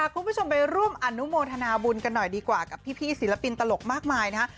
คุณผู้ชมไปร่วมอนุโมทนาบุญกันหน่อยดีกว่ากับพี่ศิลปินตลกมากมายนะฮะ